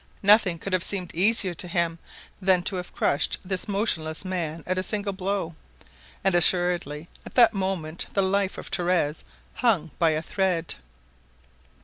Nothing could have seemed easier to him than to have crushed this motionless man at a single blow, and assuredly at that moment the life of Torres hung by a thread.